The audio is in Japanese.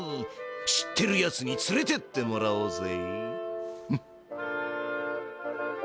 知ってるやつにつれてってもらおうぜ。